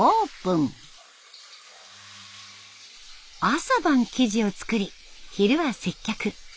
朝晩生地を作り昼は接客。